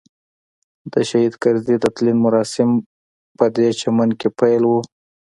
د شهید کرزي د تلین مراسم پدې چمن کې پیل وو.